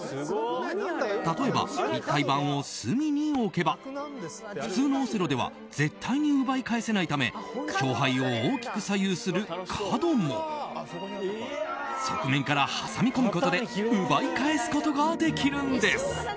例えば、立体盤を隅に置けば普通のオセロでは絶対に奪い返せないため勝敗を大きく左右する角も側面から挟み込むことで奪い返すことができるんです。